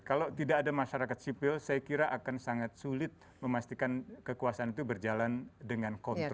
kalau tidak ada masyarakat sipil saya kira akan sangat sulit memastikan kekuasaan itu berjalan dengan kontrol